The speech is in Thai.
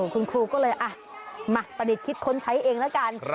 คุณครูก็เลยมาประดิษฐ์คิดค้นใช้เองแล้วกัน